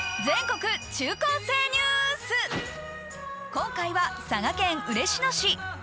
今回は佐賀県嬉野市。